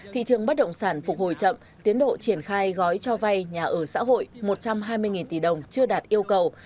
thị trường bất động sản phục hồi chậm tiến độ triển khai gói cho vay nhà ở xã hội một trăm hai mươi tỷ đồng chưa đạt yêu cầu